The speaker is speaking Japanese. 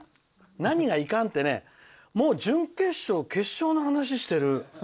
何がいかんってもう準決勝、決勝の話をしてる。